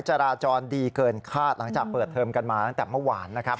จราจรดีเกินคาดหลังจากเปิดเทอมกันมาตั้งแต่เมื่อวานนะครับ